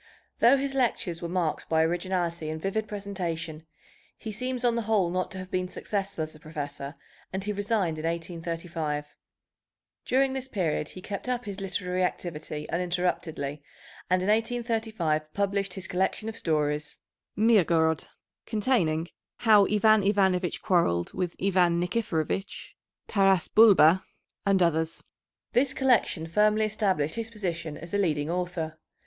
Though his lectures were marked by originality and vivid presentation, he seems on the whole not to have been successful as a professor, and he resigned in 1835. During this period he kept up his literary activity uninterruptedly, and in 1835 published his collection of stories, Mirgorod, containing How Ivan Ivanovich Quarreled with Ivan Nikiforovich, Taras Bulba, and others. This collection firmly established his position as a leading author.